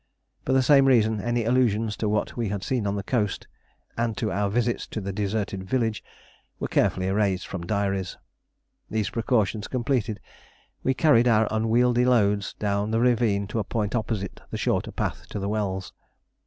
For the same reason, any allusions to what we had seen on the coast, and to our visits to the deserted village, were carefully erased from diaries. These precautions completed, we carried our unwieldy loads down the ravine to a point opposite the shorter path to the wells.